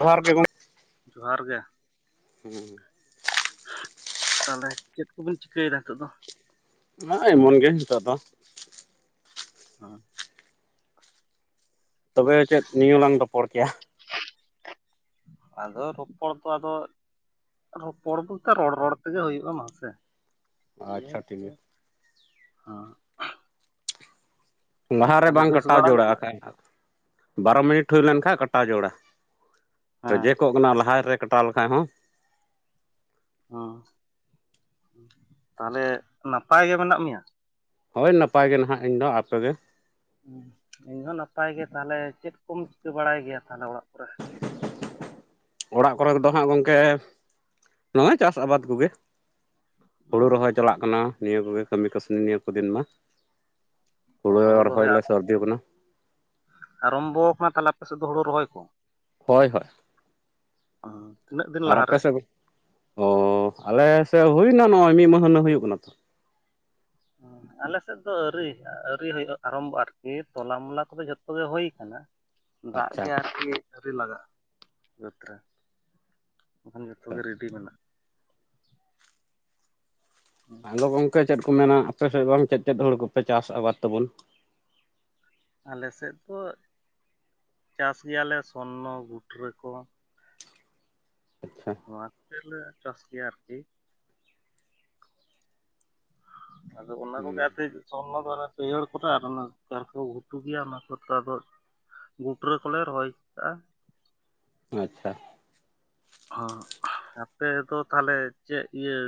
ᱡᱚᱦᱟᱨ ᱜᱮ [unintelligible] ᱡᱚᱦᱟᱨ ᱜᱮ᱾ ᱦᱩᱸ᱾ ᱛᱟᱦᱞᱮ ᱪᱮᱫ ᱠᱚᱵᱤᱱ ᱪᱤᱠᱟᱹᱭᱮᱫᱟ ᱱᱤᱛᱚᱜ ᱫᱚ? ᱦ ᱮᱢᱚᱱ ᱜᱮ ᱱᱤᱛᱚᱜ ᱫᱚ ᱦᱚᱸ ᱛᱚᱵᱮ ᱪᱮᱫ ᱱᱤᱭᱟᱹ ᱞᱟᱝ ᱨᱚᱯᱚᱲ ᱠᱮᱭᱟ ᱟᱫᱚ ᱨᱚᱯᱚᱲ ᱫᱚ ᱟᱫᱚ ᱨᱚᱯᱚᱲ ᱵᱚᱞᱛᱮ ᱨᱚᱲ ᱨᱚᱲ ᱛᱮᱜᱮ ᱦᱩᱭᱩᱜ-ᱟ ᱢᱟᱥᱮ ᱟᱪᱪᱷᱟ ᱤᱭᱟᱹᱫᱚ ᱴᱷᱤᱠ ᱜᱮᱭᱟ ᱦᱮᱸ ᱞᱟᱦᱟ ᱨᱮ ᱛᱟᱦᱚᱞᱮ ᱵᱟᱝ ᱵᱮᱥ ᱠᱟᱴᱟᱣ ᱵᱟᱲᱟ ᱜᱮ ᱡᱚᱲᱟᱜ ᱢᱮᱱᱟᱜ ᱠᱷᱟᱱ ᱵᱟᱨᱚ ᱢᱤᱱᱤᱴ ᱦᱩᱭ ᱞᱮᱱᱠᱷᱟᱡ ᱠᱟᱴᱟᱣ ᱡᱳᱲᱟ ᱦᱮᱸ ᱨᱮᱡᱮ ᱠᱚᱜ ᱠᱟᱱᱟ ᱞᱟᱦᱟᱨ ᱨᱮ ᱠᱟᱴᱟᱣ ᱞᱮᱠᱷᱟᱡ ᱦᱚᱸ ᱦᱚᱸ ᱛᱟᱦᱚᱞᱮ ᱱᱟᱯᱟᱭ ᱜᱮ ᱢᱮᱱᱟᱜ ᱢᱮᱭᱟ ᱦᱳᱭ ᱱᱟᱯᱟᱭ ᱜᱮ ᱱᱟᱦᱟᱜ ᱤᱧᱫᱚ ᱟᱯᱮᱜᱮ ᱦᱚ ᱤᱧᱦᱚ ᱱᱟᱯᱟᱭ ᱜᱮ ᱛᱟᱦᱚᱞᱮ ᱪᱮᱫ ᱠᱚᱢ ᱪᱤᱠᱟᱹ ᱵᱟᱲᱟᱭ ᱜᱮᱭᱟ ᱛᱟᱦᱚᱞᱮ ᱚᱲᱟᱜ ᱠᱚᱨᱮ ᱚᱲᱟᱜ ᱠᱚᱨᱮ ᱫᱚ ᱦᱟᱸᱜ ᱜᱚᱝᱠᱮ ᱱᱚᱜ-ᱚᱭ ᱪᱟᱥ ᱟᱵᱟᱫ ᱠᱚᱜᱮ ᱦᱩᱲᱩ ᱨᱚᱦᱚᱭ ᱪᱟᱞᱟᱜ ᱠᱟᱱᱟ ᱱᱤᱭᱟᱹ ᱠᱚᱜᱮ ᱠᱟᱹᱢᱤ ᱠᱟᱹᱥᱱᱤ ᱱᱤᱭᱟᱹ ᱠᱚ ᱫᱤᱱ ᱢᱟ ᱚ, ᱦᱩᱲᱩ ᱦᱳᱲᱳ ᱨᱚᱦᱚᱭᱞᱮ ᱥᱟᱹᱨᱫᱤ ᱠᱟᱱᱟ ᱟᱨᱚᱢᱵᱚ ᱠᱟᱱᱟ ᱛᱟᱦᱚᱞᱮ ᱟᱯᱮ ᱥᱮᱫ ᱫᱚ ᱦᱩᱲᱩ ᱨᱚᱦᱚᱭ ᱠᱚ ᱦᱳᱭ ᱦᱳᱭ ᱛᱤᱱᱟᱹᱜ ᱫᱤᱱ ᱞᱟᱦᱟ ᱨᱮ ᱚᱻ ᱟᱞᱮ ᱥᱮᱫ ᱦᱩᱭᱮᱱᱟ ᱱᱚᱜᱼᱚᱭ ᱢᱤᱫ ᱢᱟᱦᱟ ᱱᱟᱜ ᱦᱩᱭᱩᱜ ᱠᱟᱱᱟ ᱛᱚ ᱦᱮ ᱟᱞᱮ ᱥᱮᱫ ᱫᱚ ᱟᱹᱣᱨᱤ ᱟᱹᱣᱨᱤ ᱦᱩᱭᱩᱜ ᱟ ᱟᱨᱠᱤ ᱨᱟᱢᱵᱚᱜᱼᱟ ᱟᱨᱠᱤ ᱛᱚᱞᱟ ᱢᱚᱞᱟ ᱠᱚᱫᱚ ᱡᱷᱚᱛᱚ ᱜᱮ ᱦᱩᱭ ᱠᱟᱱᱟ ᱫᱟᱜ ᱟᱪᱪᱷᱟ ᱜᱮ ᱟᱨᱠᱤ ᱟᱣᱨᱤ ᱞᱟᱜᱟᱜᱼᱟ ᱱᱚᱛᱮ ᱵᱟᱠᱷᱟᱱ ᱡᱚᱛᱚ ᱟᱪᱪᱷᱟ ᱜᱮ ᱨᱮᱰᱤ ᱢᱮᱱᱟᱜᱼᱟ ᱦᱮᱞᱳ ᱜᱟᱝᱠᱮ ᱪᱮᱫ ᱠᱚ ᱢᱮᱱᱟ ᱟᱯᱮ ᱥᱮᱫ ᱵᱟᱝ ᱪᱮᱫ ᱪᱮᱫ ᱦᱩᱲᱩ ᱠᱚᱯᱮ ᱪᱟᱥ ᱟᱵᱟᱫ ᱛᱟᱵᱚᱱ ᱟᱞᱮ ᱥᱮᱫ ᱫᱚ ᱪᱟᱥ ᱜᱮᱭᱟᱞᱮ ᱥᱚᱨᱱᱚ ᱜᱩᱴᱨᱟᱹ ᱠᱚ ᱟᱪᱪᱷᱟ ᱱᱚᱣᱟ ᱠᱚᱜᱮᱞᱮ ᱪᱟᱥ ᱜᱮᱭᱟ ᱟᱨᱠᱤ ᱦᱟᱸ ᱟᱫᱚ ᱚᱱᱟ ᱠᱚᱜᱮ ᱦᱩᱸ ᱟᱨᱠᱤ ᱥᱚᱨᱱᱚ ᱫᱚ ᱯᱟᱹᱭᱦᱟᱹᱲ ᱠᱚᱨᱮ ᱟᱨ ᱚᱱᱟ ᱡᱟᱦᱟ ᱠᱚ ᱜᱷᱩᱴᱩ ᱜᱮᱭᱟ ᱚᱱᱟ ᱠᱚ ᱟᱫᱚ ᱜᱩᱴᱨᱟᱹ ᱠᱚᱞᱮ ᱨᱚᱦᱚᱭ ᱠᱟᱜᱼᱟ ᱟᱪᱪᱷᱟ ᱦᱚᱸ ᱟᱯᱮ ᱫᱚ ᱛᱟᱦᱚᱞᱮ ᱪᱮᱫ ᱤᱭᱟᱹ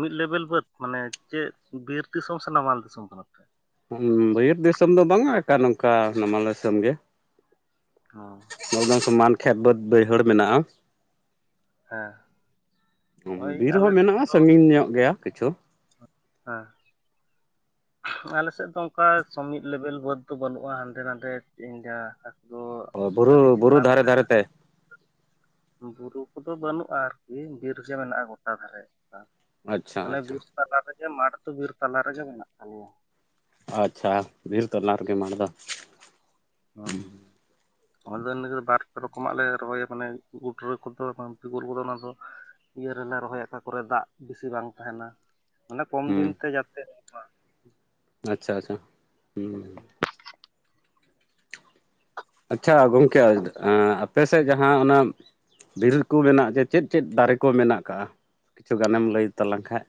ᱢᱤᱫ ᱞᱮᱵᱮᱞ ᱵᱟᱹᱫ ᱢᱟᱱᱮ ᱪᱮᱫ ᱵᱤᱨ ᱫᱤᱥᱚᱢ ᱥᱮ ᱱᱟᱢᱟᱞ ᱫᱤᱥᱚᱢ ᱠᱟᱱᱟᱯᱮ ᱵᱤᱨ ᱫᱤᱥᱚᱢ ᱫᱚ ᱵᱟᱝ ᱟ ᱟᱠᱟ ᱱᱚᱝᱠᱟ ᱱᱟᱢᱟᱞ ᱫᱤᱥᱚᱢ ᱜᱮ ᱦᱚᱸ ᱮᱠ ᱫᱚᱢ ᱥᱚᱢᱟᱱ ᱠᱷᱮᱛ ᱵᱟᱹᱫᱽ ᱵᱟᱹᱭᱦᱟᱹᱲ ᱢᱮᱱᱟᱜᱼᱟ ᱦᱮᱸ ᱳᱭ ᱵᱤᱨ ᱟᱞᱮ ᱦᱚᱸ ᱥᱮᱫ ᱢᱮᱱᱟᱜᱼᱟ ᱫᱚ ᱥᱟᱺᱜᱤᱧ ᱧᱚᱜ ᱜᱮᱭᱟ ᱠᱤᱪᱷᱩ ᱦᱮᱸ ᱟᱞᱮ ᱥᱮᱫ ᱫᱚ ᱚᱱᱠᱟ ᱥᱚᱢᱤᱛ ᱞᱮᱵᱮᱞ ᱵᱟᱹᱫᱽ ᱫᱚ ᱵᱟᱹᱱᱩᱜᱼᱟ ᱦᱟᱱᱰᱮ ᱱᱟᱰᱮ ᱮᱱᱠᱟ ᱚ ᱵᱩᱨᱩ ᱵᱩᱨᱩ ᱫᱷᱟᱨᱮ ᱫᱷᱟᱨᱮ ᱛᱮ ᱵᱩᱨᱩ ᱠᱚᱫᱚ ᱵᱟᱹᱱᱩᱜᱼᱟ ᱟᱨᱠᱤ ᱵᱤᱨᱜᱮ ᱢᱮᱱᱟᱜᱼᱟ ᱜᱚᱴᱟ ᱫᱷᱟᱨᱮ ᱟᱪᱪᱷᱟ ᱢᱟᱱᱮ ᱟᱪᱪᱷᱟ ᱵᱤᱨ ᱛᱟᱞᱟ ᱨᱮᱜᱮ ᱢᱟᱴᱷ ᱠᱩ ᱵᱤᱨ ᱛᱟᱞᱟ ᱨᱮᱜᱮ ᱢᱮᱱᱟᱜ ᱛᱟᱞᱮᱭᱟ ᱟᱪᱪᱷᱟ ᱵᱤᱨ ᱛᱟᱞᱟ ᱨᱮᱜᱮ ᱢᱟᱴᱷ ᱫᱚ ᱦᱚᱸ ᱟᱫᱚ ᱵᱟᱨ ᱯᱮ ᱨᱚᱠᱚᱢᱟᱜ ᱞᱮ ᱨᱚᱦᱚᱭᱟ ᱢᱟᱱᱮ ᱜᱩᱰᱨᱟᱹ ᱠᱚᱫᱚ ᱯᱤᱠᱚᱞ ᱠᱚᱫᱚ ᱚᱱᱟ ᱫᱚ ᱤᱭᱟᱹ ᱨᱮᱞᱮ ᱨᱚᱦᱚᱭᱟ ᱚᱠᱟᱠᱚᱨᱮ ᱫᱟᱜ ᱵᱮᱥᱤ ᱵᱟᱝ ᱛᱟᱦᱮᱱᱟ ᱢᱟᱱᱮ ᱠᱚᱢ ᱫᱤᱱ ᱦᱩᱸ ᱛᱮ ᱡᱟᱛᱮ ᱟᱪᱪᱷᱟ ᱟᱪᱪᱷᱟ ᱦᱩᱸ ᱦᱚᱸ ᱟᱪᱪᱷᱟ ᱜᱚᱝᱠᱮ ᱟᱯᱮ ᱥᱮᱫ ᱡᱟᱦᱟᱸ ᱚᱱᱟ ᱵᱤᱨ ᱠᱚ ᱢᱮᱱᱟᱜ ᱡᱮ ᱪᱮᱫ ᱪᱮᱫ ᱫᱟᱨᱮ ᱠᱚ ᱢᱮᱱᱟᱜ ᱠᱟᱜᱼᱟ ᱠᱤᱪᱷᱩ ᱜᱟᱱᱮᱢ ᱞᱟᱹᱭ ᱛᱟᱞᱟᱝ ᱠᱷᱟᱡ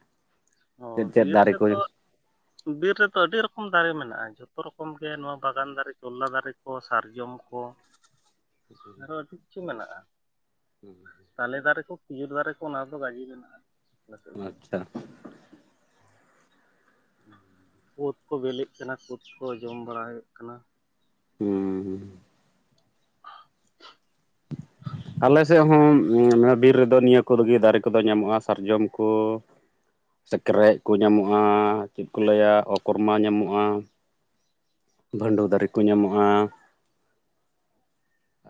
ᱚ ᱪᱮᱫ ᱪᱮᱫ ᱵᱤᱨ ᱫᱟᱨᱮ ᱨᱮᱫᱚ ᱠᱚ ᱵᱤᱨ ᱨᱮᱫᱚ ᱟᱹᱰᱤ ᱨᱚᱠᱚᱢ ᱫᱟᱨᱮ ᱢᱮᱱᱟᱜᱼᱟ ᱡᱚᱛᱚ ᱨᱚᱠᱚᱢ ᱜᱮ ᱱᱚᱣᱟ ᱵᱟᱜᱟᱱ ᱫᱟᱨᱮ ᱪᱚᱞᱞᱟ ᱫᱟᱨᱮ ᱠᱚ ᱥᱟᱨᱡᱚᱢ ᱠᱚ ᱟᱨᱚ ᱪᱤᱫ ᱪᱤ ᱢᱮᱱᱟᱜᱼᱟ ᱦᱩᱸ ᱛᱟᱞᱮ ᱫᱟᱨᱮ ᱠᱚ ᱠᱷᱤᱡᱩᱨ ᱫᱟᱨᱮ ᱠᱚ ᱚᱱᱟᱫᱚ ᱜᱟᱡᱤ ᱢᱮᱱᱟᱜᱼᱟ ᱥᱮᱫ ᱫᱚ ᱟᱪᱪᱷᱟ ᱠᱩᱫᱽ ᱠᱚ ᱵᱤᱞᱤᱜ ᱠᱟᱱᱟ, ᱠᱩᱫᱽ ᱠᱚ ᱡᱚᱢ ᱵᱟᱲᱟᱭᱮᱫ ᱠᱟᱱᱟ᱾ ᱦᱩᱸ ᱟᱞᱮ ᱥᱮᱫ ᱦᱚᱸ ᱵᱤᱨ ᱨᱮᱫᱚ ᱱᱤᱭᱟᱹ ᱥᱩᱨ ᱜᱮ ᱫᱟᱨᱮ ᱠᱚᱫᱚ ᱧᱟᱢᱚᱜᱼᱟ ᱥᱟᱨᱡᱚᱢ ᱠᱚ ᱥᱮᱠᱨᱮᱡ ᱠᱚ ᱧᱟᱢᱚᱜᱼᱟ ᱪᱮᱫ ᱠᱚ ᱞᱟᱹᱭᱟ ᱚᱠᱚᱨᱢᱟ ᱧᱟᱢᱚᱜᱼᱟ ᱵᱷᱟᱹᱰᱟᱹᱣ ᱫᱟᱨᱮ ᱠᱚ ᱧᱟᱢᱚᱜᱼᱟ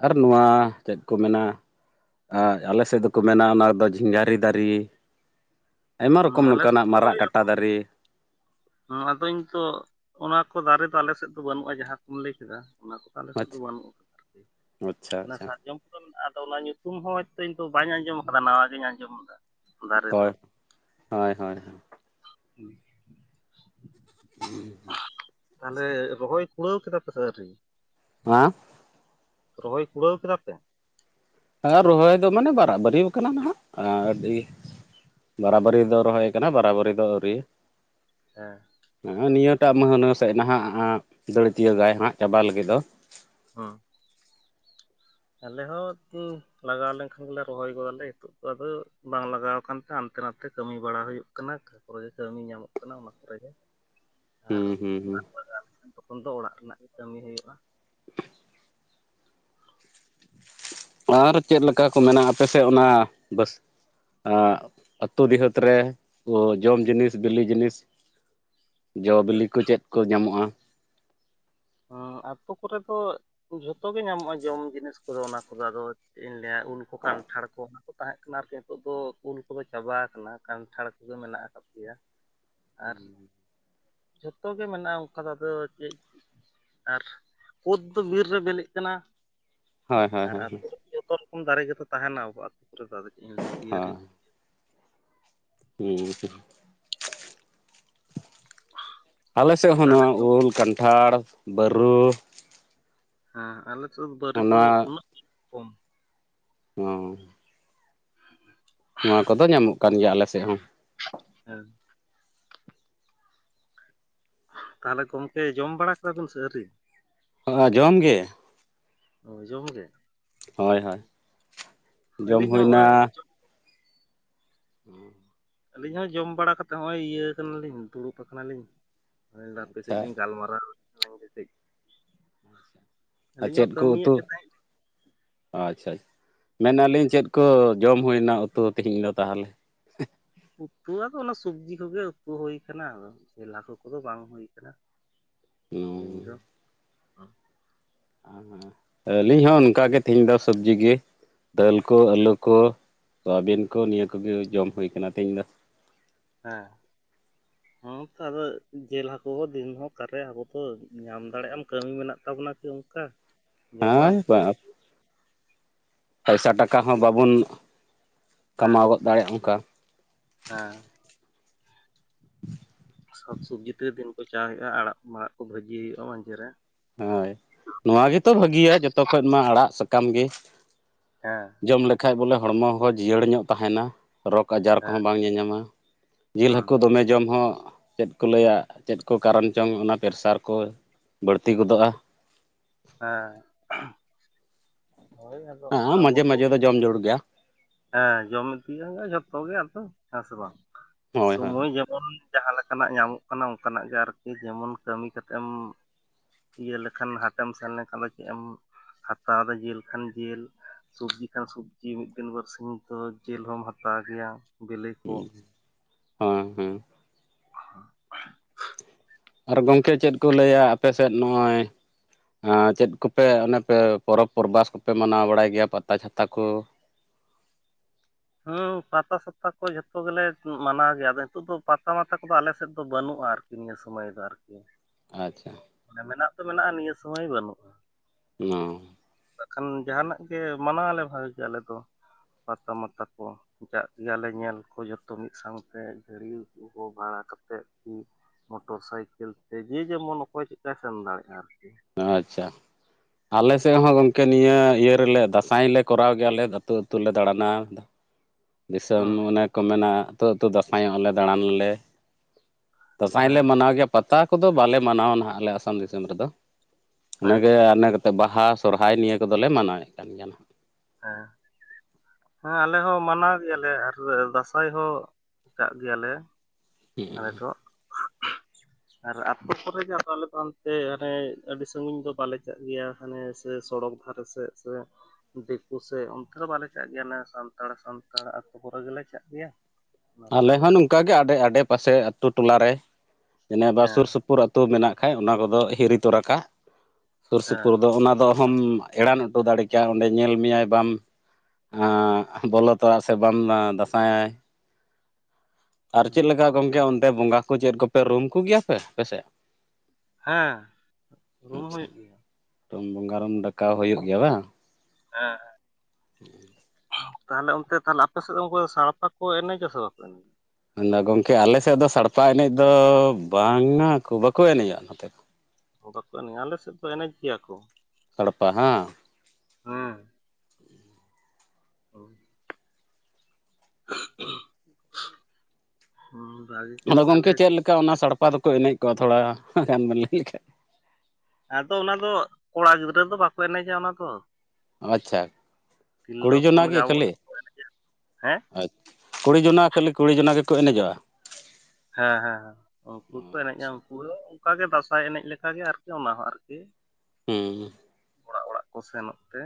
ᱟᱨ ᱱᱚᱣᱟ ᱪᱮᱫ ᱠᱚ ᱢᱮᱱᱟ ᱟᱞᱮ ᱥᱮᱫ ᱫᱚᱠᱚ ᱢᱮᱱᱟ ᱚᱱᱟᱫᱚ ᱡᱷᱤᱸᱝᱜᱟᱨᱤ ᱫᱟᱨᱮ ᱟᱭᱢᱟ ᱦᱮᱸ ᱨᱚᱠᱚᱢ ᱟᱞᱮ ᱱᱚᱝᱠᱟᱱᱟᱜ ᱥᱮᱫ ᱢᱟᱨᱟᱜ ᱠᱟᱴᱟ ᱫᱟᱨᱮ ᱦᱚᱸ ᱟᱫᱚᱧ ᱛᱚ ᱚᱱᱟ ᱠᱚ ᱫᱟᱨᱮ ᱫᱚ ᱟᱞᱮ ᱥᱮᱫ ᱫᱚ ᱵᱟᱹᱱᱩᱜᱼᱟ ᱡᱟᱦᱟᱸ ᱠᱚᱢ ᱞᱟᱹᱭ ᱠᱮᱫᱟ ᱚᱱᱟ ᱠᱚ ᱟᱞᱮ ᱥᱮᱫ ᱚ ᱵᱟᱹᱱᱩᱜ ᱟᱠᱟᱫᱟ ᱟᱪᱪᱷᱟ ᱟᱨᱤ ᱟᱪᱪᱷᱟ ᱥᱟᱨᱡᱚᱢ ᱟᱫᱚ ᱚᱱᱟ ᱧᱩᱛᱩᱢ ᱦᱚᱸ ᱦᱚᱭᱛᱳ ᱤᱧ ᱫᱚ ᱵᱟᱹᱧ ᱟᱸᱡᱚᱢ ᱟᱠᱟᱫᱟ ᱱᱟᱣᱟ ᱜᱤᱧ ᱟᱸᱡᱚᱢᱫᱟ᱾ ᱫᱟᱨᱮ ᱦᱳᱭ ᱨᱮᱱᱟᱜ ᱦᱳᱭ ᱦᱳᱭ ᱦᱮᱸ ᱦᱩ ᱛᱟᱦᱚᱞᱮ ᱨᱚᱦᱚᱭ ᱠᱩᱲᱟᱹᱣ ᱠᱮᱫᱟ ᱯᱮ ᱥᱮ ᱟᱹᱣᱨᱤ? ᱦᱮᱸ ᱨᱚᱦᱚᱭ ᱠᱩᱲᱟᱹᱣ ᱠᱮᱫᱟ ᱯᱮ? ᱦᱮᱸ ᱨᱚᱦᱚᱭ ᱫᱚ ᱢᱟᱱᱮ ᱵᱟᱨᱟ ᱵᱟᱹᱨᱤᱭᱟ ᱟᱠᱟᱱᱟ ᱱᱟᱦᱟᱜ ᱟᱹᱰᱤ ᱵᱟᱨᱟ-ᱵᱟᱹᱨᱤ ᱫᱚ ᱨᱚᱦᱚᱭ ᱠᱟᱱᱟ ᱵᱟᱨᱟ-ᱵᱟᱹᱨᱤ ᱫᱚ ᱟᱹᱣᱨᱤ᱾ ᱦᱮᱸ ᱦᱮ ᱱᱤᱭᱟᱹᱴᱟᱜ ᱢᱟᱹᱦᱱᱟᱹ ᱥᱮᱫ ᱱᱟᱦᱟᱜ ᱫᱟᱹᱲᱛᱤᱭᱟᱹ ᱜᱟᱭ ᱦᱟᱸᱜ ᱪᱟᱵᱟ ᱞᱟᱹᱜᱤᱫ ᱫᱚ᱾ ᱦᱚᱸ ᱟᱞᱮ ᱦᱚᱸ ᱩᱸ ᱞᱟᱜᱟᱣ ᱞᱮᱱᱠᱷᱟᱱ ᱜᱮᱞᱮ ᱨᱚᱦᱚᱭ ᱜᱚᱫᱟᱞᱮ ᱱᱤᱛᱚᱜ ᱫᱚ ᱟᱫᱚ ᱵᱟᱝ ᱞᱟᱜᱟᱣ ᱠᱟᱱ ᱠᱷᱟᱱ ᱦᱟᱱᱛᱮ ᱱᱟᱛᱮ ᱠᱟᱹᱢᱤ ᱵᱟᱲᱟ ᱦᱩᱭᱩᱜ ᱠᱟᱱᱟ ᱚᱠᱟ ᱠᱚᱨᱮᱜᱮ ᱠᱟᱹᱢᱤ ᱧᱟᱢᱚᱜ ᱠᱟᱱᱟ᱾ ᱚᱱᱟ ᱠᱚᱨᱮ ᱜᱮ ᱟᱨ ᱦᱩᱸ ᱦᱩᱸ ᱦᱩᱸ ᱫᱟᱜ ᱞᱟᱜᱟᱣ ᱞᱮᱠᱷᱟᱱ ᱛᱚᱠᱷᱚᱱ ᱫᱚ ᱚᱲᱟᱜ ᱨᱮᱱᱟᱜ ᱜᱮ ᱠᱟᱹᱢᱤ ᱦᱩᱭᱩᱜᱼᱟ᱾ ᱟᱨ ᱪᱮᱫ ᱞᱮᱠᱟ ᱠᱚ ᱢᱮᱱᱟᱜᱼᱟ, ᱟᱯᱮ ᱥᱮᱫ ᱚᱱᱟ ᱵᱟᱥ ᱟᱻ ᱟᱹᱛᱩ ᱰᱤᱦᱟᱹᱛ ᱨᱮ ᱡᱚᱢ ᱡᱤᱱᱤᱥ, ᱵᱤᱞᱤ ᱡᱤᱱᱤᱥ, ᱡᱚ ᱵᱤᱞᱤ ᱠᱚ ᱪᱮᱫ ᱠᱚ ᱧᱟᱢᱚᱜᱼᱟ? ᱦᱮᱸ ᱟᱹᱛᱩ ᱠᱚᱨᱮ ᱫᱚ ᱡᱷᱚᱛᱚ ᱜᱮ ᱧᱟᱢᱚᱜᱼᱟ, ᱡᱚᱢ ᱡᱤᱱᱤᱥ ᱠᱚᱫᱚ ᱚᱱᱟ ᱠᱚᱫᱚ ᱟᱫᱚ᱾ ᱪᱮᱫ ᱤᱧ ᱞᱟ. ᱭᱟ ᱩᱞ ᱠᱚ ᱠᱟᱱᱴᱷᱟᱲ ᱠᱚ ᱚᱱᱟ ᱠᱚ ᱛᱟᱦᱮᱸ ᱠᱟᱱᱟ ᱟᱨᱠᱤ ᱱᱤᱛᱚᱜ ᱫᱚ ᱩᱞ ᱠᱚᱫᱚ ᱪᱟᱵᱟ ᱟᱠᱟᱱᱟ ᱠᱟᱱᱴᱷᱟᱲ ᱯᱩᱨᱟᱹ ᱢᱮᱱᱟᱜ ᱟᱠᱟᱫ ᱜᱮᱭᱟ᱾ ᱟᱨ ᱡᱷᱚᱛᱚ ᱜᱮ ᱢᱮᱱᱟᱜᱼᱟ, ᱚᱱᱠᱟ ᱟᱫᱚ ᱪᱮᱫ ᱟᱨ ᱠᱩᱫ ᱫᱚ ᱵᱤᱨ ᱨᱮ ᱵᱤᱞᱤᱜ ᱠᱟᱱᱟ ᱦᱳᱭ ᱦᱳᱭ ᱟᱨ ᱦᱳᱭ ᱟᱛ ᱦᱳᱭ ᱡᱚᱛᱚ ᱨᱚᱠᱚᱢ ᱫᱟᱨᱮ ᱜᱮᱛᱚ ᱛᱟᱦᱮᱱᱟ ᱟᱵᱚ ᱟᱹᱛᱩ ᱠᱚᱨᱮᱫᱚ ᱟᱫᱚ ᱪᱮᱫ ᱤᱧ ᱞᱟᱹᱭᱟ ᱯᱤᱭᱟᱹᱨᱤ ᱦᱩᱸ ᱟᱞᱮᱥᱮᱫ ᱦᱚᱸ ᱛᱟᱦᱚᱞᱮ ᱱᱚᱣᱟ ᱡᱚᱢ ᱩᱞ, ᱠᱟᱱᱴᱷᱟᱲ, ᱵᱟᱹᱨᱩ ᱦᱮᱸ ᱟᱞᱮᱥᱮᱫ ᱵᱟᱨᱤᱛ ᱫᱚ ᱚᱱᱟ ᱩᱱᱟᱹᱜ ᱠᱚᱢ ᱦᱚᱸ [inaudible] ᱱᱚᱣᱟ ᱠᱚᱫᱚ ᱧᱟᱢᱚᱜ ᱠᱟᱱ ᱜᱮᱭᱟ ᱟᱞᱮᱥᱮᱫ ᱦᱚᱸ᱾ ᱦᱮᱸ ᱛᱟᱦᱚᱞᱮ ᱜᱚᱝᱠᱮ ᱡᱚᱢ ᱵᱟᱲᱟ ᱠᱟᱫᱟ ᱵᱤᱱ ᱥᱮ ᱟᱹᱣᱨᱤ? ᱚ ᱡᱚᱢ ᱜᱮ! ᱚ ᱡᱚᱢ ᱜᱮ ᱦᱳᱭ ᱦᱳᱭ ᱡᱚᱢ ᱟᱹᱞᱤᱧ ᱦᱚᱸ ᱦᱩᱭᱱᱟ ᱱᱚᱜᱼᱚᱭ ᱦᱩᱸ ᱟᱹᱞᱤᱧ ᱦᱚᱸ ᱡᱚᱢ ᱵᱟᱲᱟ ᱠᱟᱛᱮᱜ ᱦᱚᱸᱜᱼᱚᱭ ᱤᱭᱟᱹ ᱠᱟᱱᱟᱞᱤᱧ ᱫᱩᱲᱩᱵ ᱟᱠᱟᱱᱟᱞᱤᱧ᱾ ᱦᱟᱯᱮ ᱥᱮᱫ ᱟᱪᱪᱷᱟ ᱞᱤᱧ ᱜᱟᱞ ᱢᱟᱨᱟᱣ ᱠᱮᱱ ᱜᱮ ᱠᱟᱪ ᱟᱨ ᱪᱮᱫ ᱦᱚᱸ ᱠᱚ ᱠᱟᱹᱢᱤᱭᱮᱫ ᱩᱛᱩ ᱜᱮ ᱛᱟᱦᱮᱸᱫ ᱟᱪᱷᱟ ᱢᱮᱱᱟᱞᱤᱧ ᱪᱮᱫ ᱠᱚ ᱡᱚᱢ ᱦᱩᱭᱮᱱᱟ ᱩᱛᱩ ᱛᱮᱦᱮᱧ ᱫᱚ ᱛᱟᱦᱟᱞᱮ ᱩᱛᱩ ᱟᱫᱚ ᱚᱱᱟ ᱥᱚᱵᱽᱡᱤ ᱠᱚᱜᱮ ᱩᱛᱩ ᱦᱩᱭ ᱠᱟᱱᱟ ᱟᱫᱚ ᱡᱮᱹᱞ ᱦᱟᱹᱠᱩ ᱠᱚᱫᱚ ᱵᱟᱝ ᱦᱩᱭ ᱠᱟᱱᱟ᱾ ᱛᱮᱦᱮᱧ ᱫᱚ ᱦᱩᱻ ᱦᱮᱸ ᱦᱮᱸ ᱟᱹᱞᱤᱧ ᱦᱚᱸ ᱚᱱᱠᱟᱜᱮ ᱛᱮᱦᱮᱧ ᱫᱚ ᱥᱚᱵᱡᱤ ᱜᱮ ᱫᱟᱹᱞ ᱠᱚ, ᱟᱹᱞᱩ ᱠᱚ, ᱛᱚ ᱟᱹᱵᱮᱱ ᱠᱚ ᱱᱤᱭᱟᱹ ᱠᱚᱜᱮ ᱡᱚᱢ ᱦᱩᱭ ᱟᱠᱟᱱᱟ ᱛᱮᱦᱮᱧ ᱫᱚ᱾ ᱦᱮᱸ ᱦᱩᱸ ᱛᱚ ᱟᱫᱚ ᱡᱤᱞ ᱦᱟᱹᱠᱩ ᱦᱚᱸ ᱫᱤᱱᱦᱚ ᱠᱟᱨᱮ ᱟᱵᱚᱛᱚ ᱧᱟᱢ ᱫᱟᱲᱮᱭᱟᱜᱼᱟᱢ ᱠᱟᱹᱢᱤ ᱢᱮᱱᱟᱜ ᱛᱟᱵᱚᱱᱟ ᱠᱤ ᱚᱱᱠᱟ᱾ [inaudible] ᱦᱮᱸ ᱯᱚᱭᱥᱟ ᱴᱟᱠᱟ ᱦᱚᱸ ᱵᱟᱵᱚᱱ ᱠᱟᱢᱟᱣ ᱜᱚᱫ ᱫᱟᱲᱮᱭᱟᱜᱼᱟ ᱚᱱᱠᱟ ᱦᱮᱸ ᱥᱟᱠ ᱥᱚᱵᱡᱤ ᱛᱮᱜ ᱫᱤᱱ ᱠᱚ ᱪᱟ ᱦᱩᱭᱩᱜᱼᱟ ᱟᱲᱟᱜ ᱢᱟᱲᱟᱜ ᱠᱚ ᱵᱷᱟᱹᱡᱤ ᱦᱩᱭᱩᱜᱼᱟ ᱢᱟᱡᱷᱮ ᱨᱮ ᱦᱳᱭ ᱱᱚᱣᱟ ᱜᱮᱛᱚ ᱵᱷᱟᱹᱜᱤᱭᱟ ᱡᱚᱛᱚ ᱠᱷᱚᱡ ᱢᱟ ᱟᱲᱟᱜ ᱥᱟᱠᱟᱢ ᱜᱤ ᱾ ᱦᱮᱸ ᱾ ᱡᱚᱢ ᱞᱮᱠᱷᱟᱡ ᱵᱚᱞᱮ ᱦᱚᱲᱢᱚ ᱦᱚᱸ ᱡᱤᱭᱟᱹᱲ ᱧᱚᱜ ᱛᱟᱦᱮᱱᱟ ᱨᱳᱜᱽ ᱟᱡᱟᱨ ᱦᱮᱸ ᱠᱚᱦᱚᱸ ᱵᱟᱝ ᱧᱟ-ᱧᱟᱢᱟ ᱾ ᱡᱤᱞ ᱦᱮᱸ ᱦᱟᱹᱠᱩ ᱫᱚᱢᱮ ᱡᱚᱢ ᱦᱚᱸ ᱪᱮᱫ ᱠᱚ ᱞᱟᱹᱭᱟ ᱪᱮᱫ ᱠᱚ ᱠᱟᱨᱚᱱ ᱪᱚᱝ ᱚᱱᱟ ᱯᱮᱨᱥᱟᱨ ᱠᱚ ᱛᱤ ᱜᱮᱫᱚᱜᱼᱟ ᱾ ᱦᱮᱸ ᱾ ᱦᱟᱸ ᱟ ᱢᱟᱡᱮ ᱛᱚ ᱢᱟᱡᱮ ᱫᱚ ᱡᱚᱢ ᱡᱩᱲ ᱜᱮᱼᱟ ᱾ ᱦᱮᱸ ᱡᱚᱢ ᱛᱤᱭᱟ ᱢᱟ ᱡᱷᱚᱛᱚ ᱜᱮ ᱟᱫᱚ ᱦᱮᱸ ᱥᱮ ᱵᱟᱝ? ᱦᱳᱭ ᱦᱳᱭ ᱥᱚᱢᱚᱭ ᱡᱮᱢᱚᱱ ᱡᱟᱦᱟᱸ ᱞᱮᱠᱟᱱᱟᱜ ᱧᱟᱢᱚᱜ ᱠᱟᱱᱟ ᱚᱱᱠᱟ ᱱᱟᱜ ᱜᱮ ᱟᱨᱠᱤ ᱡᱮᱢᱚᱱ ᱠᱟᱹᱢᱤ ᱠᱟᱛᱮ ᱮᱢ ᱤᱭᱟᱹ ᱞᱮᱠᱷᱟᱱ ᱦᱟᱴᱮᱢ ᱥᱮᱱ ᱞᱮᱱ ᱠᱷᱟᱱ ᱫᱚ ᱪᱮᱜ ᱮᱢ ᱦᱟᱛᱟᱣ ᱫᱟ ᱡᱤᱞ ᱠᱷᱟᱱ ᱡᱤᱞ ᱾ ᱥᱚᱵᱡᱤ ᱠᱷᱟᱱ ᱥᱚᱵᱡᱤ ᱢᱤᱫ ᱫᱤᱱ ᱵᱟᱹᱨ ᱥᱤᱧ ᱛᱚ ᱡᱤᱞ ᱦᱚᱢ ᱦᱟᱛᱟᱣ ᱜᱮᱭᱟ ᱵᱤᱞᱤ ᱠᱚ ᱾ ᱦᱮᱸ ᱦᱮᱸ ᱾ [unintelligible] ᱟᱨ ᱜᱚᱝᱠᱮ ᱪᱮᱫ ᱠᱚ ᱞᱟᱹᱭᱟ ᱟᱯᱮ ᱥᱮᱫ ᱱᱚᱜᱼᱚᱭ ᱟᱸ ᱪᱮᱫ ᱠᱚᱯᱮ ᱚᱱᱮ ᱯᱮ ᱯᱚᱨᱚᱵᱽ ᱯᱚᱨᱵᱟᱥ ᱠᱚᱯᱮ ᱢᱟᱱᱟᱣ ᱵᱟᱲᱟᱭ ᱜᱮᱭᱟ ᱯᱟᱛᱟ ᱪᱷᱟᱛᱟ ᱠᱳ? ᱦᱟᱸᱣ ᱯᱟᱛᱟ ᱥᱟᱛᱟ ᱠᱚ ᱡᱷᱚᱛᱚ ᱜᱮᱞᱮ ᱩᱢ-ᱢᱟᱱᱟᱣ ᱜᱮᱭᱟ ᱟᱫᱚ ᱱᱤᱛᱚᱜ ᱫᱚ ᱯᱟᱛᱟ ᱢᱟᱛᱟ ᱠᱚᱫᱚ ᱟᱞᱮ ᱥᱮᱫ ᱫᱚ ᱵᱟᱹᱱᱩᱜᱼᱟᱨ ᱾ ᱱᱤᱭᱟᱹ ᱥᱚᱢᱚᱭ ᱫᱚ ᱟᱨᱠᱤ ᱾ ᱟᱪᱪᱷᱟ ᱾ ᱚᱱᱮ ᱢᱮᱱᱟᱜ ᱛᱚ ᱢᱮᱱᱟᱜᱼᱟ ᱱᱤᱭᱟᱹ ᱥᱩᱢᱚᱭ ᱵᱟᱹᱱᱩᱜᱼᱟ ᱾ ᱚᱸ [unintelligible] ᱵᱟᱠᱷᱟᱱ ᱡᱟᱦᱟᱱᱟᱜ ᱜᱮ ᱢᱟᱱᱟᱣ ᱟᱞᱮ ᱵᱷᱟᱜᱮ ᱜᱮ ᱟᱞᱮ ᱫᱚ ᱾ ᱯᱟᱛᱟ ᱢᱟᱛᱟ ᱠᱚ ᱡᱟᱜ ᱜᱮ ᱟᱞᱮ ᱧᱮᱞ ᱠᱚ ᱡᱚᱛᱚ ᱢᱤᱫ ᱥᱟᱶᱛᱮ ᱜᱷᱟᱹᱲᱤ ᱜᱚ ᱵᱷᱟᱲᱟ ᱠᱟᱛᱮᱜ ᱢᱤᱜ ᱢᱚᱴᱚᱨ ᱥᱟᱭᱠᱮᱞ ᱛᱮ ᱡᱮ ᱡᱮᱢᱚᱱ ᱚᱠᱚᱭ ᱪᱮᱜᱠᱟ ᱥᱮᱱ ᱫᱟᱲᱮᱜᱼᱟ ᱟᱨᱠᱤ ᱾ ᱚᱸ ᱟᱪᱪᱷᱟ ᱟᱞᱮ ᱥᱮᱫ ᱦᱚᱸ ᱜᱚᱝ ᱠᱮ ᱱᱤᱭᱟᱹ ᱤᱭᱟᱹ ᱨᱮᱞᱮ ᱫᱟᱸᱥᱟᱭ ᱞᱮ ᱠᱚᱨᱟᱣ ᱜᱮᱭᱟ ᱟᱞᱮ ᱟᱹᱛᱩ ᱟᱹᱛᱩ ᱞᱮ ᱫᱟᱬᱟᱱᱟ ᱾ ᱫᱤᱥᱚᱢ ᱦᱮᱸ ᱚᱱᱮ ᱠᱚ ᱢᱮᱱᱟ ᱟᱹᱛᱩ ᱟᱹᱛᱩ ᱫᱟᱸᱥᱟᱭᱼᱚᱜ ᱞᱮ ᱫᱟᱬᱟᱱ ᱞᱮ ᱾ ᱫᱟᱸᱥᱟᱭ ᱞᱮ ᱦᱮᱸ ᱢᱟᱱᱟᱣ ᱜᱮᱭᱟ ᱯᱟᱛᱟ ᱠᱚᱫᱚ ᱵᱟᱞᱮ ᱢᱟᱱᱟᱣᱼᱟ ᱱᱟᱦᱟᱜ ᱟᱞᱮ ᱟᱥᱟᱢ ᱫᱤᱥᱚᱢ ᱨᱮᱫᱚ ᱾ ᱤᱱᱟᱹ ᱦᱮᱸ ᱜᱮ ᱤᱱᱟᱹ ᱠᱟᱛᱮᱫ ᱵᱟᱦᱟ ᱥᱚᱨᱦᱟᱭ ᱱᱤᱭᱟᱹ ᱠᱚᱫᱚ ᱞᱮ ᱢᱟᱱᱟᱣ ᱮᱜ ᱠᱟᱱ ᱜᱮᱭᱟ ᱱᱟᱦᱟᱜ ᱾ ᱦᱮᱸ ᱾ ᱦᱮᱸ ᱟᱞᱮ ᱦᱚᱸ ᱢᱟᱱᱟᱣ ᱜᱮᱭᱟ ᱞᱮ ᱟᱨ ᱞᱮ ᱫᱟᱸᱥᱟᱭ ᱦᱚᱸ ᱠᱟᱜ ᱜᱮᱭᱟ ᱞᱮ ᱾ ᱦᱩᱸ ᱟᱨ ᱟᱹᱛᱩ ᱠᱚᱨᱮ ᱜᱮ ᱟᱨ ᱟᱞᱮ ᱫᱚ ᱚᱱᱛᱮ ᱨᱮ ᱟᱹᱰᱤ ᱥᱟᱺᱜᱤᱧ ᱫᱚ ᱵᱟᱞᱮ ᱪᱟᱜ ᱜᱮᱭᱟ ᱾ ᱦᱟᱱᱮ ᱥᱮ ᱥᱚᱲᱚᱠ ᱫᱷᱟᱨᱮ ᱥᱮᱫ ᱥᱮ ᱫᱤᱠᱩ ᱥᱮᱜ ᱚᱱᱛᱮ ᱫᱚ ᱵᱟᱞᱮ ᱪᱟᱜ ᱜᱮᱭᱟ ᱱᱮ ᱥᱟᱱᱛᱟᱲ ᱥᱟᱱᱛᱟᱲ ᱟᱹᱛᱩ ᱠᱚᱨᱮ ᱜᱮᱞᱮ ᱪᱟᱜ ᱜᱮᱭᱟ ᱾ ᱟᱞᱮ ᱦᱚᱸ ᱱᱚᱝᱠᱟ ᱜᱮ ᱟᱰᱮ-ᱟᱰᱮ ᱯᱟᱥᱮ ᱟᱹᱛᱩ ᱴᱚᱞᱟ ᱨᱮ ᱡᱮᱱᱮ ᱵᱟ ᱥᱩᱨ ᱦᱮᱸ ᱥᱩᱯ ᱥᱩᱯᱩᱨ ᱟᱹᱛᱩ ᱜᱮ ᱱᱟᱜ ᱠᱷᱟᱡ ᱚᱱᱟ ᱠᱚᱫᱚ ᱦᱤᱨᱤ ᱛᱚᱨᱟ ᱠᱟᱜ ᱥᱩᱨ ᱦᱮᱸ ᱥᱩᱯᱩᱨ ᱫᱚ ᱚᱱᱟ ᱫᱚ ᱦᱚᱢ ᱮᱲᱟᱱ ᱚᱴᱚ ᱫᱟᱲᱮ ᱠᱮᱭᱟ ᱚᱸᱰᱮ ᱧᱮᱞ ᱢᱮᱭᱟᱭ ᱵᱟᱢ ᱟᱸᱜ ᱵᱚᱞᱚ ᱛᱚᱨᱟᱜ ᱥᱮ ᱵᱟᱢ ᱟᱸ-ᱫᱟᱸᱥᱟᱭ ᱟᱨ ᱪᱮᱜ ᱞᱮᱠᱟ ᱜᱚᱝᱠᱮ ᱚᱱᱛᱮ ᱵᱚᱸᱜᱟ ᱠᱚ ᱪᱮᱫ ᱠᱚᱯᱮ ᱨᱩᱢ ᱠᱚᱜᱮᱭᱟ ᱯᱮ ᱟᱯᱮ ᱥᱮᱜ? ᱦᱮᱸ ᱨᱩᱢ ᱦᱳᱭᱳᱜ ᱜᱮᱭᱟ ᱨᱩᱢ ᱵᱚᱸᱜᱟ [unintelligible] ᱰᱟᱠᱟᱣ ᱦᱳᱭᱳᱜ ᱜᱮᱭᱟ ᱵᱟᱝ ᱦᱮᱸ ᱦᱮᱸ ᱛᱟᱦᱚᱞᱮ ᱚᱱᱛᱮ ᱛᱟᱦᱚᱞᱮ ᱟᱯᱮ ᱥᱮᱫ ᱫᱚ [inaudible] ᱥᱟᱲᱯᱟ ᱠᱚ ᱮᱱᱮᱡᱟ ᱥᱮ ᱵᱟᱠᱚ ᱮᱱᱮᱡᱟ? ᱢᱟ ᱜᱚᱝᱠᱮ ᱟᱞᱮ ᱥᱮᱫ ᱫᱚ ᱥᱟᱲᱯᱟ ᱮᱱᱮᱡ ᱫᱚ ᱵᱟᱝᱼᱟ ᱠᱚ ᱵᱟᱠᱚ ᱮᱱᱮᱡᱚᱜᱼᱟ ᱱᱚᱛᱮ ᱫᱚ ᱾ ᱵᱟᱠᱚ ᱮᱱᱮᱡᱼᱟ ᱾ ᱟᱞᱮ ᱥᱮᱫ ᱫᱚ ᱮᱱᱮᱡ ᱜᱮᱭᱟ ᱠᱚ ᱾ ᱥᱟᱲᱯᱟ ᱦᱮᱸ ᱾ ᱦᱩᱸ ᱚ [unintelligible] ᱦᱩᱸ ᱵᱷᱟᱜ [unintelligible] ᱟᱫᱚ ᱜᱚᱢᱠᱮ ᱪᱮᱜ ᱞᱮᱠᱟ ᱚᱱᱟ ᱥᱟᱲᱯᱟ ᱫᱚᱠᱚ ᱮᱱᱮᱡ ᱠᱚᱜᱣᱟ ᱛᱷᱚᱲᱟ ᱜᱟᱱ ᱵᱮᱱ ᱞᱟᱹᱭ ᱞᱮᱠᱷᱟᱡ ᱾ ᱟᱫᱚ ᱚᱱᱟ ᱫᱚ ᱠᱚᱲᱟ ᱜᱤᱫᱽᱨᱟᱹ ᱫᱚ ᱵᱟᱠᱚ ᱮᱱᱮᱡᱟ ᱚᱱᱟ ᱫᱚ ᱾ ᱟᱪᱪᱷᱟ ᱾ ᱠᱩᱲᱤ ᱦᱚᱯᱚᱱ ᱡᱚᱱᱟᱜ ᱜᱮ ᱟᱵᱚ ᱠᱷᱟᱹᱞᱤ? ᱫᱚᱠᱚ ᱮᱱᱮᱡᱟ ᱦᱮᱸ ᱟᱪ ᱠᱩᱲᱤ ᱡᱚᱱᱟ ᱠᱷᱟᱹᱞᱤ ᱠᱩᱲᱤ ᱡᱚᱱᱟ ᱜᱮ ᱠᱚ ᱮᱱᱮᱡ ᱚᱜᱼᱟ ᱦᱮᱸ ᱦᱮᱸ ᱩᱱᱠᱩ ᱠᱚ ᱮᱱᱮᱡᱼᱟ ᱩᱱᱠᱩ ᱚᱱᱠᱟ ᱜᱮ ᱫᱟᱸᱥᱟᱭ ᱮᱱᱮᱡ ᱞᱮᱠᱟ ᱜᱮ ᱟᱨᱠᱤ ᱚᱱᱟ ᱦᱚᱸ ᱟᱨᱠᱤ ᱦᱩᱸ ᱦᱩᱸ ᱚᱲᱟᱜ ᱚᱲᱟᱜ ᱠᱚ ᱥᱮᱱᱚᱜ ᱛᱮ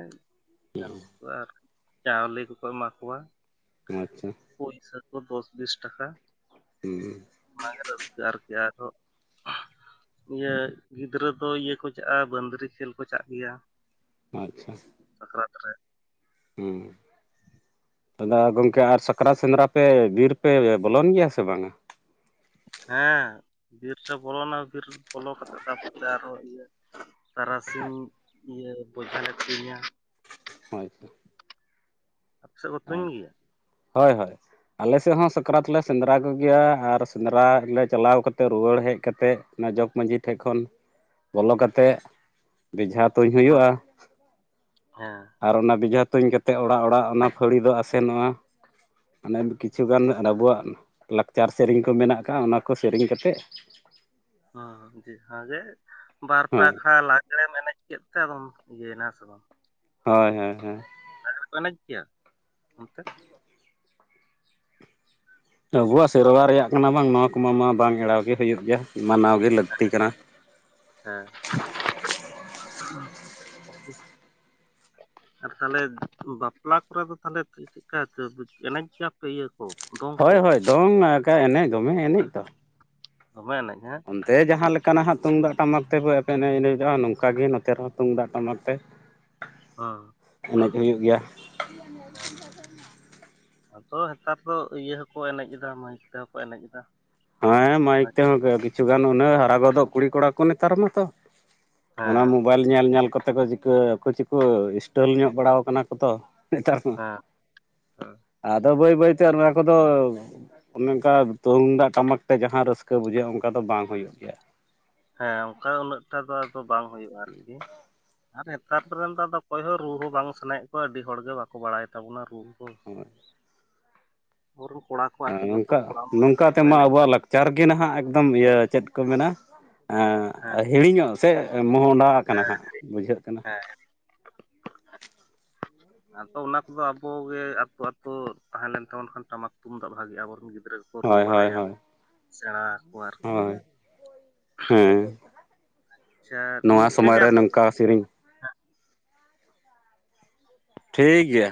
ᱜᱟᱱᱚᱜ ᱠᱚᱣᱟ ᱟᱨ ᱪᱟᱣᱞᱮ ᱠᱚ ᱠᱚ ᱮᱢᱟ ᱠᱚᱣᱟ ᱟᱪᱪᱷᱟ ᱯᱚᱭᱥᱟ ᱛᱚ ᱫᱚᱥ ᱵᱤᱥ ᱴᱟᱠᱟ ᱦᱩᱸ ᱚᱱᱟ ᱜᱮ ᱛᱚ ᱨᱟᱹᱥᱠᱟᱹ ᱟᱨᱠᱤ ᱟᱨᱸᱦᱚ ᱤᱭᱟᱹ ᱜᱤᱫᱽᱨᱟᱹ ᱫᱚ ᱤᱭᱟᱹ ᱠᱚ ᱪᱟᱜᱼᱟ ᱵᱟᱹᱫᱽᱨᱤ ᱠᱷᱮᱞ ᱠᱚ ᱪᱟᱜ ᱜᱮᱭᱟ ᱟᱪᱪᱷᱟ ᱥᱟᱠᱨᱟᱛ ᱨᱮ ᱦᱩᱸ ᱫᱟᱫᱟ ᱜᱚᱝᱠᱮ ᱟᱨ ᱥᱟᱠᱨᱟᱛ ᱥᱮᱸᱫᱽᱨᱟ ᱯᱮ ᱵᱤᱨ ᱯᱮ ᱵᱚᱞᱚᱱ ᱜᱮᱭᱟ ᱥᱮ ᱵᱟᱝ-ᱟ ᱦᱮᱸ ᱵᱤᱨ ᱥᱮᱫ ᱵᱚᱞᱚᱱᱟ ᱵᱤᱨ ᱵᱚᱞᱚ ᱠᱟᱛᱮ ᱛᱟᱨ ᱯᱚ ᱨᱮ ᱟᱨᱚ ᱤᱭᱟᱹ ᱛᱟᱨᱟ ᱥᱤᱧ ᱤᱭᱟᱹ ᱵᱚᱡᱷᱟ ᱞᱮ ᱛᱩᱧᱼᱟ ᱦᱳᱭ ᱟᱯᱮ ᱥᱮᱫ ᱠᱚ ᱛᱩᱧ ᱜᱮ ᱭᱟ ᱦᱳᱭ ᱦᱳᱭ ᱟᱞᱮ ᱥᱮᱫ ᱦᱚᱸ ᱥᱟᱠᱨᱟᱛ ᱞᱮ ᱥᱮᱸᱫᱽᱨᱟ ᱠᱚᱜᱮ ᱭᱟ ᱟᱨ ᱥᱮᱸᱫᱽᱨᱟ ᱞᱮ ᱪᱟᱞᱟᱣ ᱠᱟᱛᱮᱫ ᱨᱩᱣᱟᱹᱲ ᱦᱮᱡ ᱠᱟᱛᱮᱫ ᱚᱱᱟ ᱡᱚᱜᱽ ᱢᱟᱺᱡᱷᱤ ᱴᱷᱮᱡ ᱠᱷᱚᱱ ᱵᱚᱞᱚ ᱠᱟᱛᱮᱫ ᱵᱚᱡᱷᱟ ᱛᱩᱧ ᱦᱮᱸ ᱦᱩᱭᱳᱜᱼᱟ ᱦᱮᱸ ᱟᱨ ᱚᱱᱟ ᱵᱚᱡᱷᱟ ᱛᱩᱧ ᱠᱟᱛᱮᱫ ᱚᱲᱟᱜ ᱚᱲᱟᱜ ᱚᱱᱟ ᱯᱷᱟᱹᱲᱤ ᱫᱚ ᱟᱥᱮ ᱱᱚᱜᱼᱟ ᱟᱱᱮ ᱠᱤᱪᱷᱩ ᱜᱟᱱ ᱟᱵᱚᱣᱟᱜ ᱞᱟᱠᱪᱟᱨ ᱥᱮᱨᱮᱧ ᱠᱚ ᱢᱮᱱᱟᱜ ᱟᱠᱟᱫᱼᱟ ᱚᱱᱟ ᱠᱚ ᱥᱮᱨᱮᱧ ᱠᱟᱛᱮᱫ ᱦᱚᱸ ᱦᱚᱸ ᱡᱮ ᱵᱷᱟᱵᱮ ᱵᱟᱨᱯᱮ ᱦᱳᱭ ᱟᱠᱷᱲᱟ [unintelligible] ᱠᱮᱫ [unintelligible] ᱤᱭᱟᱹᱭ ᱱᱟ ᱥᱮ ᱵᱟᱝ ᱦᱮᱸ ᱦᱮᱸ ᱦᱮᱸ [unintelligible] ᱮᱱᱮᱡ ᱜᱮᱭᱟ ᱚᱱ ᱛᱮ ᱟᱵᱚᱣᱟᱜ ᱥᱮᱨᱣᱟ ᱨᱮᱭᱟᱜ ᱠᱟᱱᱟ ᱵᱟᱝ ᱱᱚᱣᱟ ᱠᱚᱢᱟ ᱢᱟ ᱵᱟᱝ ᱮᱲᱟᱣ ᱜᱮ ᱦᱩᱭᱩᱜ ᱜᱮᱭᱟ ᱢᱟᱱᱟᱣ ᱜᱮ ᱞᱟᱹᱠᱛᱤ ᱠᱟᱱᱟ ᱦᱮᱸ [unintelligible] ᱟᱨ ᱛᱟᱦᱞᱮ ᱵᱟᱯᱞᱟ ᱠᱚᱨᱮ ᱫᱚ ᱛᱟᱦᱞᱮ ᱪᱮᱫ ᱠᱟ ᱮᱱᱮᱡ ᱜᱮᱭᱟ ᱯᱮ ᱤᱭᱟᱹ ᱠᱚ ᱫᱚᱝ ᱦᱚᱭ ᱠᱚ ᱦᱚᱭ ᱫᱚᱝ ᱮᱱᱮᱡ ᱫᱚ ᱢᱮ ᱮᱱᱮᱡ ᱫᱚ ᱫᱚᱢᱮ ᱮᱱᱮᱡ ᱦᱮᱸ [unintelligible] ᱡᱟᱦᱟᱸ ᱞᱮᱠᱟᱱᱟᱜ ᱦᱟᱜ ᱛᱩᱢᱫᱟᱜ ᱴᱟᱢᱟᱠ ᱛᱮᱵᱚ [unintelligible] ᱮᱱᱮᱡ ᱚᱜᱼᱟ ᱱᱚᱝ ᱠᱟ ᱜᱮ ᱱᱚᱛᱮ ᱨᱮᱦᱚᱸ ᱛᱩᱢᱫᱟᱜ ᱴᱟᱢᱟᱠ ᱛᱮ [inaudible] ᱦᱮᱸ ᱮᱱᱮᱡ ᱦᱩᱭᱩᱜ ᱜᱮᱭᱟ ᱦᱮᱸ ᱟᱫᱚ ᱱᱮᱛᱟᱨ ᱫᱚ ᱤᱭᱟᱹ ᱦᱚᱸ ᱠᱚ ᱮᱱᱮᱡ ᱮᱫᱟ [unintelligible] ᱦᱚᱸ ᱠᱚ ᱮᱱᱮᱡ ᱮᱫᱟ ᱦᱮᱸ ᱢᱟᱭᱤᱠ ᱦᱳᱭ ᱛᱮ ᱦᱚᱸ ᱟᱹᱰᱤ ᱠᱤᱪᱷᱩ ᱜᱟᱱ ᱩᱱᱟᱹᱜ ᱦᱟᱨᱟ ᱜᱚᱫᱚᱜ ᱠᱩᱲᱤ ᱠᱚᱲᱟ ᱠᱚ ᱱᱮᱛᱟᱨ ᱢᱟ ᱛᱚ ᱚᱱᱟ ᱦᱮᱸ ᱢᱳᱵᱟᱭᱤᱞ ᱧᱮᱞ ᱧᱮᱞ ᱠᱚᱛᱮ ᱠᱚ ᱪᱤᱠᱟᱹ ᱠᱚ ᱪᱤᱠᱚ ᱥᱴᱚᱞ ᱧᱚᱜ ᱵᱟᱲᱟᱣ ᱠᱟᱱᱟ ᱠᱚ ᱛᱚ [unintelligible] ᱦᱮᱸ ᱟᱫᱚ ᱵᱟᱹᱭ ᱵᱟᱹᱭ ᱛᱮ ᱚᱱᱟ ᱠᱚ ᱫᱚ ᱚᱱᱮ ᱚᱱᱠᱟ ᱛᱩᱢᱫᱟᱜ ᱴᱟᱢᱟᱠ ᱛᱮ ᱡᱟᱦᱟᱸ ᱨᱟᱹᱥᱠᱟᱹ ᱵᱩᱡᱷᱟᱹᱜᱼᱟ ᱚᱱᱠᱟ ᱫᱚ ᱵᱟᱝ ᱦᱳᱭᱳᱜ ᱜᱮᱭᱟ ᱦᱮᱸ ᱚᱱᱠᱟ ᱩᱱᱟᱹᱜ ᱴᱟ ᱫᱚ ᱟᱫᱚ ᱵᱟᱝ ᱦᱳᱭᱳᱜᱼᱟ ᱟᱨ ᱠᱤ ᱟᱨ ᱱᱮᱛᱟᱨ ᱫᱚ ᱱᱮᱛ ᱫᱚ ᱚᱠᱚᱭ ᱦᱚᱸ ᱨᱩ ᱦᱚᱸ ᱵᱟᱝ ᱥᱟᱱᱟ ᱭᱮᱫ ᱠᱚᱣᱟ ᱟᱹᱰᱤ ᱦᱚᱲ ᱜᱮ ᱵᱟᱝ [unintelligible] ᱵᱟᱲᱟᱭ ᱛᱟᱵᱚᱱᱟ ᱨᱩ ᱠᱚ ᱦᱳᱭ ᱯᱩᱨᱟᱹ ᱠᱚᱲᱟ ᱠᱚ ᱟᱨᱠᱤ ᱡᱚᱛᱚ [unintelligible] ᱡᱚᱛᱚ ᱠᱚ ᱮᱱᱮᱡ ᱪᱟᱨᱜᱮ ᱱᱟᱦᱟᱜ ᱮᱠᱫᱚᱢ ᱤᱭᱟᱹ ᱪᱮᱫ ᱠᱚ ᱢᱮᱱᱟ ᱦᱮᱸ ᱦᱤᱲᱤᱧᱚᱜ ᱥᱮ ᱢᱚᱦᱚᱰᱟ ᱠᱟᱱᱟ ᱦᱟᱸᱜ ᱵᱩᱡᱷᱟᱹᱜ ᱠᱟᱱᱟ [unintelligible] ᱟᱫᱚ ᱚᱱᱟ ᱠᱚᱫᱚ ᱟᱠᱚᱜᱮ ᱟᱛᱩ ᱟᱛᱩ ᱛᱟᱦᱮᱸ ᱞᱮᱱ ᱛᱟᱵᱚᱱ ᱠᱷᱟᱱ ᱴᱟᱢᱟᱠ ᱛᱩᱢᱫᱟᱜ ᱵᱷᱟᱜᱤ ᱟᱵᱚᱨᱮᱱ ᱜᱤᱫᱽᱨᱟᱹ ᱠᱚ ᱦᱳᱭ ᱦᱳᱭ ᱦᱳᱭ [unintelligible] ᱥᱮᱬᱟ ᱟᱨᱠᱤ ᱦᱳᱭ ᱦᱮᱸ ᱟᱪᱪᱷᱟ ᱱᱚᱣᱟ ᱱᱤᱝᱠᱟᱹ ᱥᱚᱢᱚᱭ ᱜᱮ ᱨᱮ ᱟᱫᱚ ᱱᱚᱝ ᱚᱠᱟ ᱥᱮᱨᱮᱧ ᱴᱷᱤᱠ ᱜᱮᱭᱟ